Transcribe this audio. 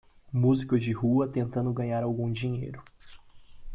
Músicos de rua tentando ganhar algum dinheiro.